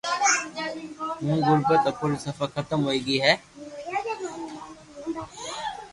ھمو غربت اپوري صفا ختم ھوئي گئي ھي